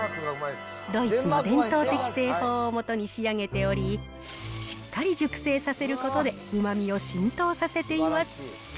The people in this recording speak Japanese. ドイツの伝統的製法をもとに仕上げており、しっかり熟成させることで、うまみを浸透させています。